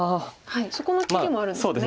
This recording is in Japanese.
そこの切りもあるんですね。